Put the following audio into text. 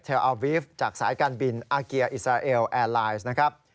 อาบีฟจากสายการบินอาเกียอิสราเอลแอร์ไลน์นะครับ